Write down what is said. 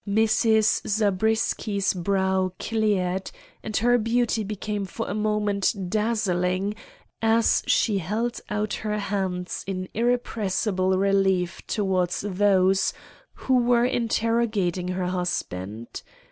Mrs. Zabriskie's brow cleared, and her beauty became for a moment dazzling as she held out her hands in irrepressible relief towards those who were interrogating her husband.